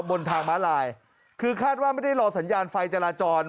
บนทางม้าลายคือคาดว่าไม่ได้รอสัญญาณไฟจราจร